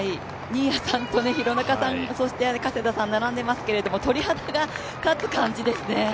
新谷さんと廣中さん、加世田さんが並んでますけど鳥肌が立つ感じですね。